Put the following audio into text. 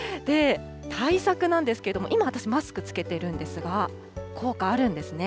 対策なんですけども、今、私、マスク着けてるんですが、効果あるんですね。